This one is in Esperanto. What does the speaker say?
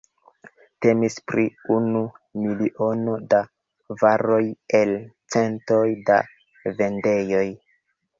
Temis pri unu miliono da varoj el centoj da vendejoj.